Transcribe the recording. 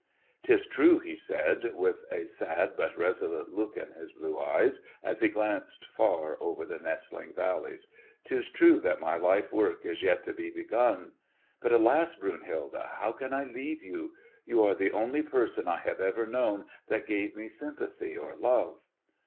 "'Tis true," he said, with a sad but resolute look in his blue eyes, as he glanced far over the nestling valleys. "'Tis true that my lifework is yet to be begun. But, alas! Brunhilde, how can I leave you? You are the only person I have ever known that gave me sympathy or love."